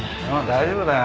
大丈夫だよ。